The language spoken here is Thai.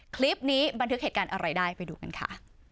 บันทึกเหตุการณ์อะไรได้ไปดูกันค่ะ